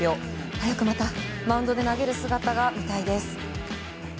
早く、またマウンドで投げる姿が見たいです。